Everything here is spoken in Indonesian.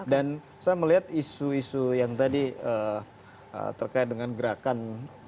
dan saya melihat isu isu yang tadi terkait dengan gerakan dua ratus dua belas